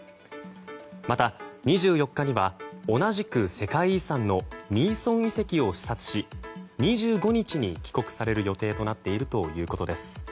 また、２４日には同じく世界遺産のミーソン遺跡を視察し２５日に帰国される予定となっているということです。